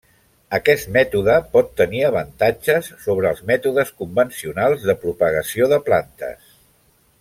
Aquest mètode pot tenir avantatges sobre els mètodes convencionals de propagació de plantes.